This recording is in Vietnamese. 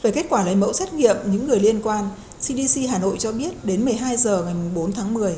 về kết quả lấy mẫu xét nghiệm những người liên quan cdc hà nội cho biết đến một mươi hai h ngày bốn tháng một mươi